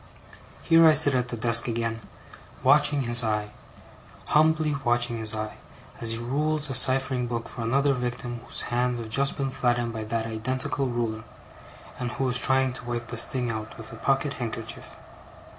Here I sit at the desk again, watching his eye humbly watching his eye, as he rules a ciphering book for another victim whose hands have just been flattened by that identical ruler, and who is trying to wipe the sting out with a pocket handkerchief.